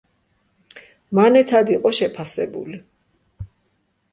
მანეთად იყო შეფასებული.